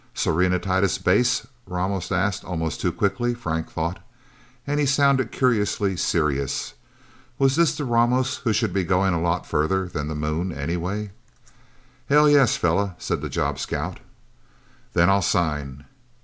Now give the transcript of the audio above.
"Serenitatis Base?" Ramos asked almost too quickly, Frank thought. And he sounded curiously serious. Was this the Ramos who should be going a lot farther than the Moon, anyway? "Hell, yes, fella!" said the job scout. "Then I'll sign."